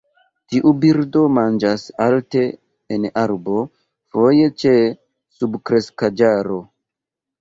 Tiu birdo manĝas alte en arbo, foje ĉe subkreskaĵaro.